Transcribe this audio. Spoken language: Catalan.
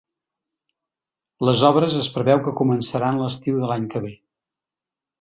Les obres es preveu que començaran l’estiu de l’any que ve.